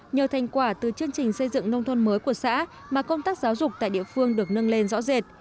nhờ thành quả từ chương trình xây dựng nông thôn mới của xã mà công tác giáo dục tại địa phương được nâng lên rõ rệt